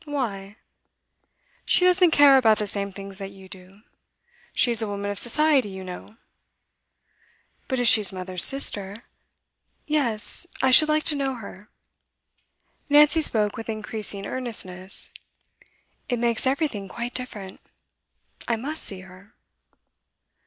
'Why?' 'She doesn't care about the same things that you do. She's a woman of society, you know.' 'But if she's mother's sister. Yes, I should like to know her.' Nancy spoke with increasing earnestness. 'It makes everything quite different. I must see her.